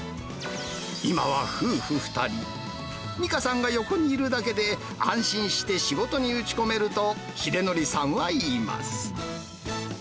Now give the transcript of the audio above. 今は夫婦２人、実花さんが横にいるだけで、安心して仕事に打ち込めると、英紀さんは言います。